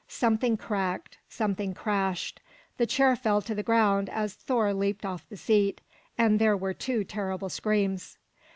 Something cracked; something crashed; the chair fell to the ground as Thor leaped off the seat, and there were two terrible screams.